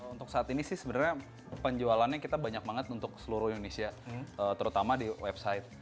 untuk saat ini sih sebenarnya penjualannya kita banyak banget untuk seluruh indonesia terutama di website